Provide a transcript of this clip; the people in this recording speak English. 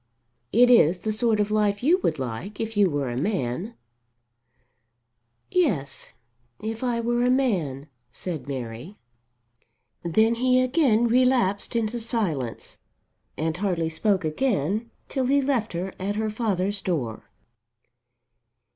It is the sort of life you would like, if you were a man." "Yes, if I were a man," said Mary. Then he again relapsed into silence and hardly spoke again till he left her at her father's door.